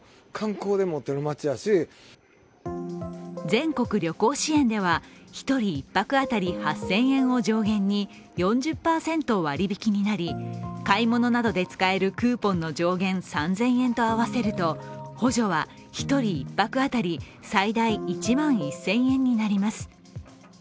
全国旅行支援では１人１泊当たり８０００円を上限に４０％割り引きになり買い物などで使えるクーポンの上限３０００円と合わせると補助は１人１泊当たり最大１万１０００円になります。